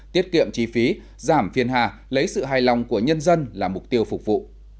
tiết kiệm chi phí giảm phiền hà lấy sự hài lòng của nhân dân là mục tiêu phục vụ